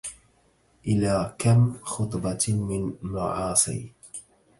إلى كم خطبت من المعالي